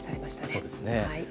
そうですね。